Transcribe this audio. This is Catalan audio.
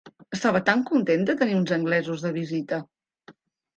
Estava tan content de tenir uns anglesos de visita!